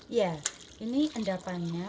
iya ini endapannya